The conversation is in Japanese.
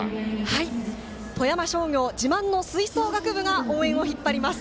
富山商業、自慢の吹奏楽部が応援を引っ張ります。